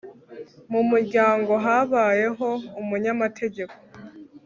mu muryango habayeho umunyamategeko